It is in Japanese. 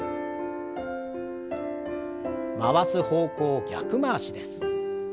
回す方向を逆回しです。